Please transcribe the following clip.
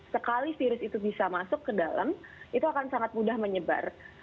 sekali virus itu bisa masuk ke dalam itu akan sangat mudah menyebar